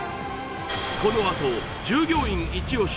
このあと従業員イチ押し